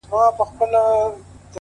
په هغه اړه چي تاسو ئې واياست.